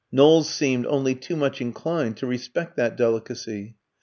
Knowles seemed only too much inclined to respect that delicacy.